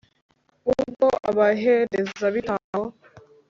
ubwo abaherezabitambo